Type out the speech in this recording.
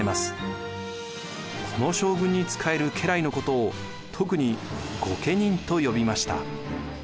この将軍に仕える家来のことを特に御家人と呼びました。